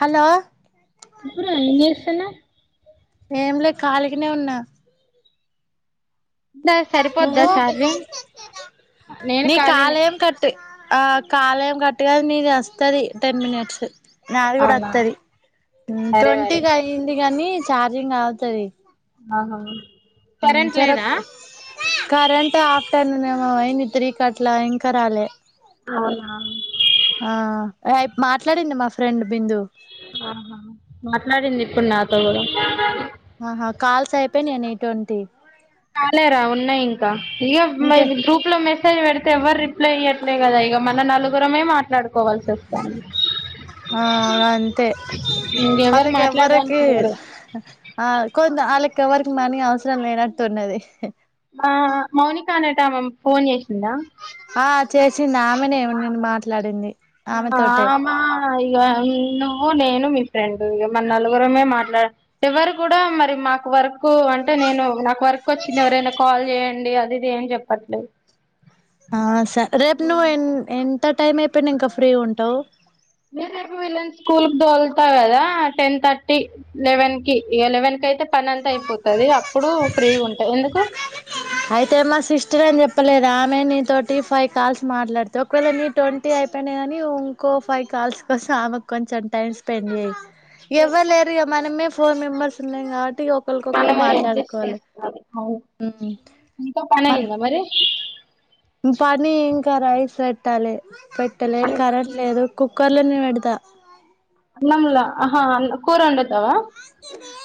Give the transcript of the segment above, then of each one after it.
Hello చెప్పురా ఏం చేస్తున్నావ్ ఏం లే కాలగనే ఉన్నా దా సరిపోద్దా నువ్వు ఛార్జింగ్ నేను నీ ఖాళీనే కాళం కట్ ఆ కాలం కట్టుగా నీది వస్తుది టెన్ మినిట్స్ నాది కూడా అవునా వస్తది సరే మరి ట్వంటీకి అయింది కానీ చార్జింగ్ అవుతది ఆహా కరెంట్ లేదా చెరక్ కరెంట్ ఆఫ్టర్న్మయిన్ ఏమో పోయింది త్రికట్లా ఇంకా రాలే ఆ అయి మాట్లాడింది మా ఫ్రెండ్ బిందు మాట్లాడింది ఇప్పుడు నాతో కూడా ఆహా కాల్స్ అయిపోయినాయ నీవి ట్వంటీ కాలేరా ఉన్నాయి ఇంకా ఇక ఇంకే గ్రూప్ లో మ పెడితే ఎవ్వరు రిప్లై అయ్యట్లే కదా ఇక మన నలుగురమే మాట్లాడుకోవాల్సి వస్తాంది అ అంతే ఇంకెవరు వాళ్ళకి ఎవ్వరికి మాట్లాడడానికి లేరు ఆ కొంత ఆలకి ఎవరికి మనీ అవసరం లేనట్టున్నది ఆ మౌనికా అనటమా ఫోన్ చేసిందా ఆ చే నామనే ఏమ నేను మాట్లాడింది ఆమె తోటే ఆ ఇగ నువ్వు నేను మీ ఫ్రెండ్ ఇక మ నలుగురమే మాట్లాడ ఎవరు కూడా మరి మాకు వర్కు అంటే నేను నాకు వర్క్ వచ్చింది ఎవరైనా కాల్ చేయండి అండి అదిది ఏం చెప్పట్లేదు ఆ స రేపు నువ ఎన్ ఎ ఎత్త టైం అయిపోయినా ఇంకా ఫ్రీ ఉంటావు మీరు రేపు వెళ్ళ స్కూల్ క దొలుతా కదా టెన్ థర్టీ లెవెన్ కి ఎలెవెన్ కి అయితే పని అంతా అయిపోతుది అప్పుడు ఫ్రీ ఉంటాయి ఎందుకు అయితే మా సిస్టర్ అని చెప్పలేదు ఆమె నీతోటి ఫైవ్ కాల్స్ మాట్లాడితే ఒకవేళ నీ ట్వంటీ అయిపోయినా గాని ఇంకో ఫైవ్ కాల్స్ కోసం ఆమెకు కొంచెం టైం స్పెండ్ చేయ్యి చేస్తా ఎవ్వలే ఏరు ఇగా మనమే ఫోర్ మెంర్స్ ఉల్ ఆట్ టి ఒకరికొకళ్రు మనమే అడ్జస్ట్ మాట్లాడుకోవాలి ఇకా పన మన ఇంద మరి పని ఏంకా రైస్ పెట్టాలి పెట్టలే కరెంట్ లేదు కుక్కర్లో నేను పెడతా నమ్లహా కూరండతవా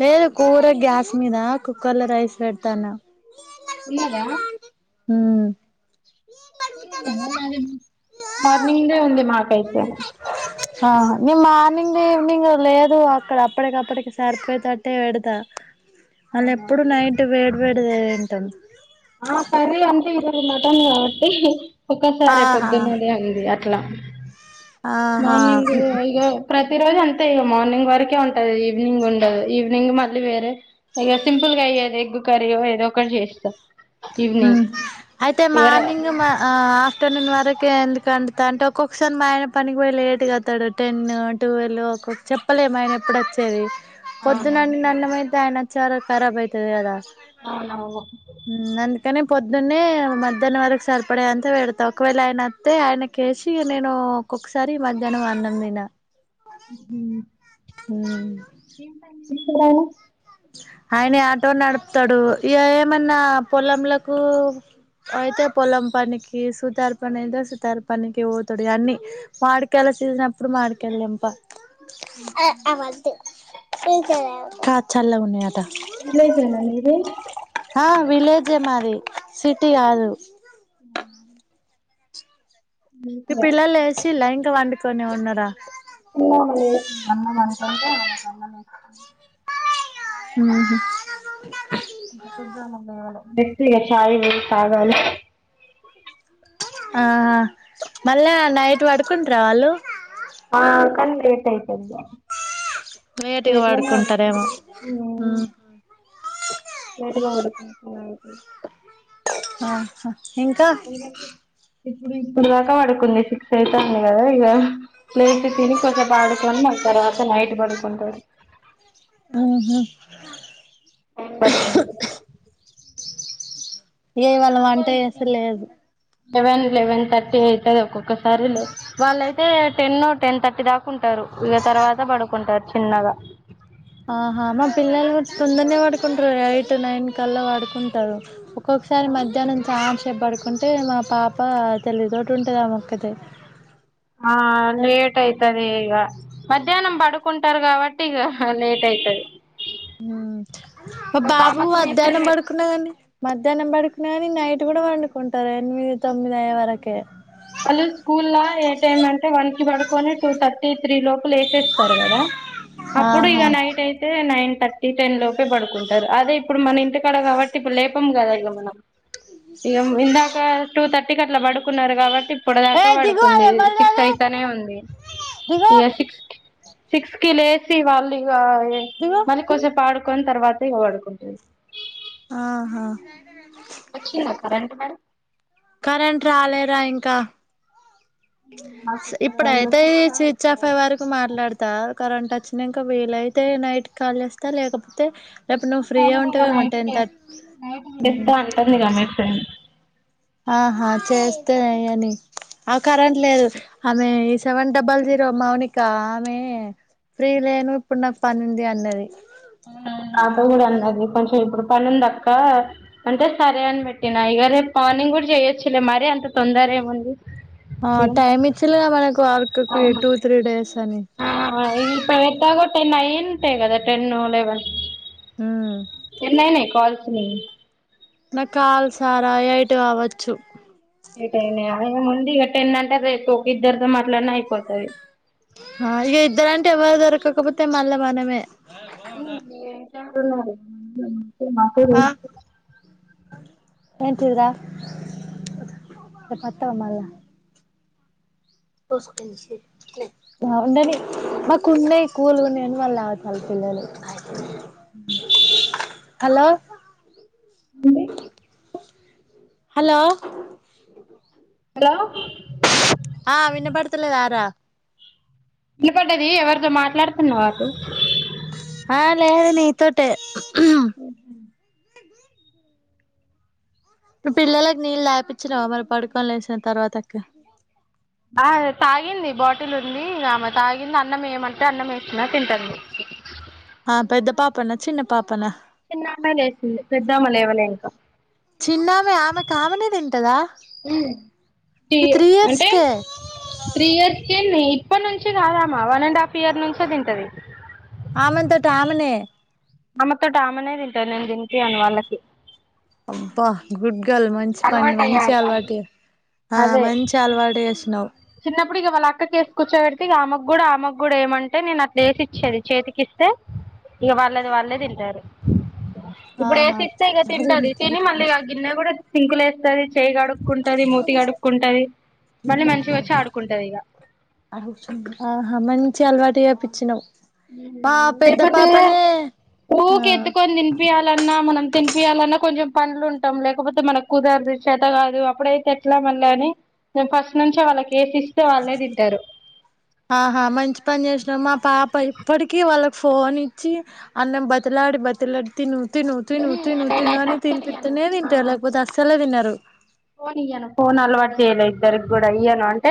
లేదు కూర గ్యాస్ మీద కుక్కర్ లో రైస్ పెడతాను ఉన్నదా హమ్ మార్నింగ్ దే ఉంది మా ఆ నిమ్ మార్నింగ్ ఈవినింగ్ లేదు అక్కడ అప్పటికప్పటికి సరిపోయితేట్టే పెడతా వాళ్ళ ఎప్పుడు నైట్ వేడి వేడిదింటం ఆ కర్రీ అంటే ఈరోజు మటన్ కబాటి ఒక్కసారే ఆహా పగ్గనద ఆగి పట్లా ఆహా మార్నింగ్ ఇ ప్రతి రోజ ఎంత అ ఇ మార్నింగ్ వరకే ఉంటది ఈవినింగ్ ఉండదు ఈవినింగ్ మళ్ళీ వేరే ఇక సింపుల్ గా అయోది ఎగ్గు కర్రీ ఏదో ఒకటి చేస్తాం అయితే మార్నింగ్ ఆ ఆఫ్టర్నూన్ వరకు ఓకే ఎందుకంట అంటే ఒక్కొక్కసారి మా ఆయన పనికి పోయి లేటుగా వతాడు టెన్ ట్వెల్ ఒక్కొక్క చెప్పలేము మా ఆయన ఎప్పుడ వచ్చేది పొద్దునన్న నాన్నమై టైనా చారఖరాబ్ అవుతుది అదా నంత పొద్దున్నే మధ్యాహ్నం వరకు సరిపడా అంత పెడతా ఒకవేళ ఆయనస్తతే ఆయనకేసి నేను ఒక్కొక్కసారి మధ్యాహ్నం అన్న తిన హ హ్మ్ చెపు రా ఆయన ఆటో నడుపుతాడు ఇ ఏమన్నా పొలంలకు అయితే పొలం పనికి సూతార పని ఏదో సూతార పనికి తడు అన్ని మాడికాయల సీసన్ప్పుడు మాడికాయలుంప ఆ అ [unintelligible] చల్ల ఉన్నాయిట విలేజేనా మీది ఆ విలేజే మరి సిటీ కాదు ఇ చిన్నామె పిల్లలు వేసి లైన్ గా కొనే ఉన్నార [inaudible] మ్మ్ హ్మ్ ఇద్దా ఉన్నాన ఎక్టిగా చయ తగాలీ ఆ మళ్ళా నైట్ పడుకుంటర వాళ్ళు ఆ [unintelligible] లేటుగా లేట్ గానే పడుకుంటారేమో ఉహు పడుకుంటారు ఆ ఇంకా ఇప్పుడు ఇప్పుడు దకా పడుకుంది సిిక్స్ అయితుంది కదా ఇక ప్లేస్ తిని కొసడుకొని మా తర్వాత నైట్ పడుకుంటారు [inaudible] ఉహు ఏవాళం వంట చేస లేదు లవెన్ లెవన్థర్టీ అయితుద ఒక ఒసారి లే వాళ్ళయితే టెన్ నోట్ టెన్ థటీ దాకా ారు ఇక తర్వాత పడుకుంటారు చిన్నగా ఆహా మా పిల్లలు కూడా తొందరనే వాడుకుంటారు ఎయిట్ నైన్ కల్లా పోడుకుంటారు ఒక్కొక్కసారి మధ్యాహ్నం చ చె పడుకుంటే మా పాప తెల్లిగుతోటి ఉంటుంది ఆ మొక్కది ఆ లేేట్ అయితాడి అదే ఇక మధ్యాహ్నం పడుకుంటారు కాబట్టి ఇక లేట్ అయితది మా ఒక బాబు ఆమెకు మధ్యా్నం మెసేజ్ పడుకున్నద మధ్యాహ్నం పడుకునా కాని నైట్ కూడా వండుకుంటారు ఎనిమిది తొమ్మిది అయ్యే వరకే వాళ్ళు స్కూల్లా ఏ టైమ్ అంటే వన్ కి పడుకొని టూ థర్టీ త్రీ లోపలేచేస్తారు కదా అప్పుడు ఇక ఆహా నైట్ అయితే నైన్ థర్టీ టెన్ లోపే పడుకుంటారు అదే ఇప్పుడు మన ఇంతకాడ కాబట్టి ఇప్పుడు లేపం కదా ఇక మనం ఇక ఇందాక టూ తర్ టి అట్లా పడుకున్నారు కాబట్టి ఇప్పుడు ఏ దాకా దిగు అది పడుకుంది ఎవరిది సిక్స్ అది అయితనే ఉంది దిగు ఇక సిక్స్ సిక్స్ కి లేసి వాళ్ళీ దిగు మన కొసే పాడు వన్ తర్వాతేడుకుంటుంది ఆహా కరెంట్ రాలేరా ఇంకా ఇప్పుడయితే స్విచ్ ఆఫ్ అ వరకు మాట్లాడతా కరెంట్ నాంక వేలయితే నైట్ కాళేస్తా లేకపోతే రేపు నువ్వు ఫ్రీగా ఉంటావేమో నైట్ టెన్ తెస్ థర్టీ తెస్తా అంటుంది కదా మీ ఫ్రెండ్ ఆహా హ చేస్తేనే అని ఆ కరెంట్ లేదు ఆమె ఈ సెవెన్ డబల్ జీరో మౌనిక ఆమె ఫ్రీ లేను ఇప్పుడు నాకు పనుంది అన్నది తతో కూడా అంద కొంచెం ఇప్పుడు ప నుందక్క అంటే సరే అని పెట్టినా ఇక రేపు పార్నింగ్ కూడా చెయ్యొచ్చులే మరి అంత తొందర ఏముంది ఆ ఇగ టైమ్ ఇచిల్లు కదా మనకు వర్క్కి టూ త్రీ డేస్ అని ఆ ఇగ టెన్ ఐంటే గదా టెన్ లెవెన్ ఉమ్ ఎన్నయినయ్ కాల్స్ సరే నాకు కాల్సారా ఎటు కావచ్చు ఏటైన ఏమ్ ఇక టెనంటే రేపు ఒక ఇద్దరితో మాట్లాడి అయిపోతది ఆ ఇగ ఇద్దరు అంటే ఎవ్వరు దొరకకపోతే మళ్ళ మనమే ఉ ఏటట్టున్నారు ఉ మాకు ఏంటి ఇదిరా రేపత్తావా మళ్ళా బాగుండడి మాకు ఉన్నాయి కూలు ఉన్నాని వాళ్ళ అవతాల పిల్లలు హలో బడి హలో హలో ఆ విన్నపడుతులే రా నిలబడ్డది ఎవరితో మాట్లాడుతున్నవా అటు ఆ లేదు నీ తోటే ఉ పిల్లలకి నీళ్ళు తాపిచ్చినవా మరి పడుకొని లే సిన తర్వాత ఆ తాగింది బాటిల్ ఉంది ఆమె తాగింది అన్నం ఏమంటే అన్నం వేస్తున్నా తింటడి ఆ పెద్ద పాపన్న చిన్న పాపన చిన్న అమ్మాయి లేసింది పెద్ద అమ్మ ఏవలే ఇంకా చిన్నమె ఆమెకు ఆమెనే తింటదా ఊం ఈ త్రీ ఇయర్స్ అంటే కే త్రీ ఇయర్స్ కెే నీ ఇప్పటి నుంచి కాదమ్మ వన్ అండ్ హాఫ్ ఇయర్ నుంచే తింటది ఆమెంతట ఆమెనే ఆమెతోటి ఆమెనే తింటది నేను తినిపియ్యను వాళ్ళకి అబ్బా గుడ్ మంచి పని మంచి అలవాటు ఆ అదే మంచి అలవాటు చేసినవ్ చిన్నప్పుడు ఇక వాళ్ళ అక్కకి వేసి కూర్చోబెడితే ఇగ ఆమెకూడ ఆమెకూడ ఏమంటే నేను అట్లా వేసి ఇచ్చేది చేతికి ఇస్తే ఇగ వాళ్ళది వాళ్ళే తింటరు ఇప్పుడు వేసి ఇస్తే ఇక తింటది తిని మళ్ళీ ఆహా ఆ గిన్నె కూడా సింకుల ఎస్ సరే చె చేయి కడుక్కుంటది మూతి కడుక్కుంటది మళ్ళీ మంచిగా వచ్చి ఆడుకుంటది ఆహా మంచి చి అలవాటు చేపించ్చినావ్ లేకపోతే ఆ ఊకే ఎత్కొని తినిపియాలన్నా మనం తినిపియాలన్నా కొంచెం పనులు ఉంటాం. లేకపోతే మనకు కుదరదు చేత కాదు, అప్పుడైతే ఎట్లా మళ్ళ అని మేం ఫస్ట్ నుంచే వాళ్ళకేసిస్ ఆహా మంచి పని చేసినావ్ మా పాప ఇప్పటికిీ వాళ్ళకి ఫోన్ ఇచ్చి అన్నం బతిలాడి బతిలాడి తిను తిను తిను తిను తిను నేనైతే అని అస్సలు ఇయ్యను తినిపితనే తింటరు లేకపోతే అసలే తినరు ఉ [inaudible] ఫోన్ ఇయ్యను ఫోన్ అలవాటు చేయలే ఇద్దరికి కూడా ఇయ్యను అంటే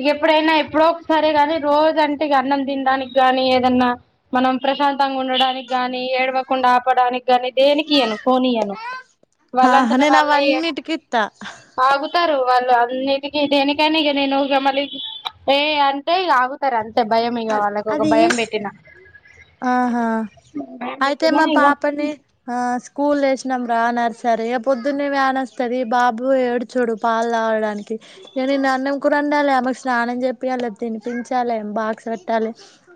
ఇగ ఎప్పుడైనా ఎప్పుడో ఒక సారే ని రోజ అంటే అన్నం తినడానికి గాని ఏదన్నా మనం ప్రశాంతంగా ఉండడానికి గాని ఏడవకుండా ఆపడానికి కానీ దేనికి ఇయ్యను ఫోన్ ఇయ్యను ఆహా వాళ్ళంతట నేను వాళ్ళే అవన్నిటికి ఇత్తా ఆగుత ఉంటారు వాళ్ళు అన్నిటికి దేనికని నేను మలి ఏ అంటె ఆగుతారు అంత ఇంత భయం ఇగ వాళ్ళకు ఒక అది భయం పెట్టినా ఆహా అయితే మా ఇక పాపని ఆ స్కూల్ వేసినాం రా నర్స రీ పొద్దున్నే వ్యాన్ వస్తది బాబు ఏడుచుడు పాలు తాగడానికి నిన్న అన్నం కూర ఉండాలి ఆమెకు స్నానం చెపియ్యాలే తినిపించాలి బాక్స్ పెట్టాలి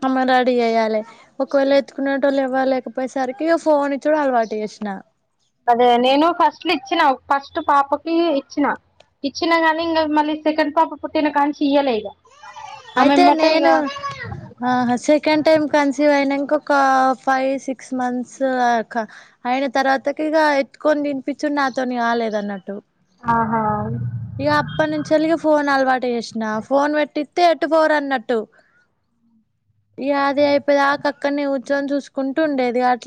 ఆమెను రెడీ చెయాలే ఒకవేళ ఎత్తుకునెటొళ్ళు ఇవ్వలేకపోయేసరికి ఫోన్ ఇచ్చుడు అలవాటు చేసినా అదే నేను ఫస్ట్ లో ఇచ్చినా ఫస్ట్ పాపకి ఇచ్చినా ఇచ్చిన గానీ ఇంకా మళ్ళీ సెకండ్ పాప పుట్టిన కానుంచి అయితే ఇక నేను ఆ సెకండ్ టైమ్ కన్సీవ్ అయినంక ఇంకొక ఫైవ్ సిక్స్ మంత్స్ క అయిన తర్వాత ఇగా ఎత్తుకొని తినిపించుడు నాతోని కాలేదు అన్నట్టు ఆహా ఇగ అప్పనుంచిలి ఫోన్ ఆల్వాట్ టెష్నాఫ్ ఫోన్ పెట్టిత్తె ఎటు పోరు అన్నట్టు ఇగ అదే అయిపోయే దాకా అక్కడినే కూర్చొని చూసుకుంటూ ఉండేది అట్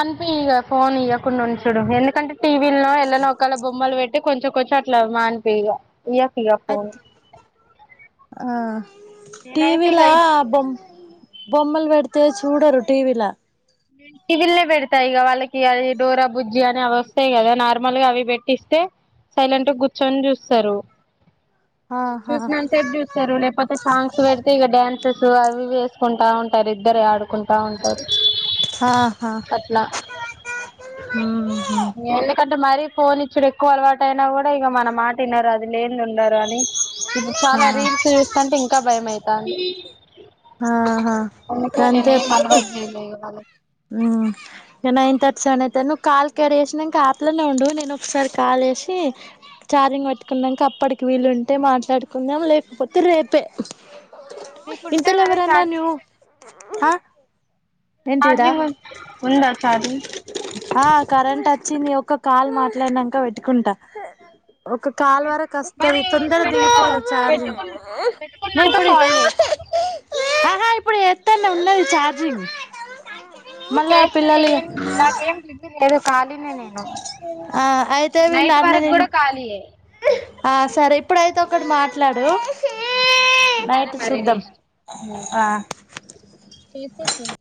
అనిపి [unintelligible] ఇక ఫోన్ ఇవ్వకుండా చూడు ఎందుకంటే టీవీ లో ఎలానో ఒకల బొమ్మలు పెడితే అంటే కొంచెం కొంచెం అట్లా మానిపిగా యాకుయాపోను అత్ టీ వీ లా బొమ్మ బొమ్మలు పెడితే చూడరు టీవీ లా టీవీల్నే పెడతాయి ఇక వాళ్ళకి అ డోర బుజ్జి అని అవి వస్తాయి కదా నార్మల్ గా అవి పెట్టిస్తే సైలెంట్ గా కూర్చొని చూస్తారు ఆహా చూసినాంత సేపు చూస్తారు లేకపోతే సాంగ్స్ పెడితే ఇక డ్యాన్స్ అవి వేసుకుంటా ఉంటారు ఇద్దర ఆడుకుంట బాగుంటారు ఆహా అట్లా ఎందుకు అంటే మరీ పోన్ ఇచ్చడు ఎక్కువ అలవాటు అయినా కూడా ఇక మన మాట విన్నారు అది లేద ఉండరు అని ఇప్పుడు చాలా రీల్స్ చూస్తంటే ఇంకా భయం అయితాంది ఆహా అందుకే కాంత నేనేం అలవాటు చేయలే ఇగ వాళ్ళకి నైన్ థర్టీ సెవెన్ అయిత నువ్వు కాల్ కడ వేసినాక ఆయాప్లోనే ఉండడువు నేను ఒకసారి కాల్ వేసి ఛార్జింగ్ పట్టుకున్నాక అప్పటికి వీలుు ఉంటే మాట్లాడుకుందం లేకపోతే రేపే మీకుంటే మరి ఇంతలవరన్నా ఛార్జింగ్ నువ్వు ఆ ఏంటిరా ఛార్జింగ్ ఉందా ఛార్జింగ్ ఆ కరెంట్ వచ్చింది ఒక కాల్ మాట్లాడినాక పెట్టుకుంటా ఒక కాల్ వరకు వస్తుది మరి తొందర పెట్టుకో దిగిపోదు చార్జింగ్ పెట్టుకున్న నే పెట్టుకున్నాక ఇప్పుడు కాల్ చేయి ఆ ఇప్పుడు ఎత్తన ఉన్నది చార్జింగ్ [unintelligible] చేస్తే పిల్లలు ఇగ ఏం నాకేం బ ఖాళీనే నేను ఆ అయితే వీళ్ళు నైట్ వరకు అన్నదిని కూడా ఖాళీయ ఆ సరే ఇప్పుడైతే ఒకడు మాట్లాడు సరే నైట్ మరి నీ శుద్ధం ఆ ఎసే చే [unintelligible]